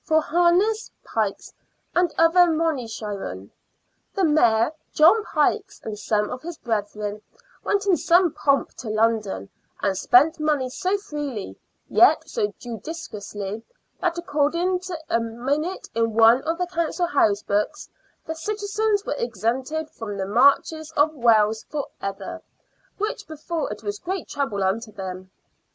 for " harness, pikes, and other monyshyon," the Mayor, John Pykes, and some of his brethren, went in some pomp to London, and spent money so freely, yet so judiciously, that, according to a minute in one of the Council House books, " the citizens were exempted from the Marches of Wales for ever, which before it was great trouble unto them."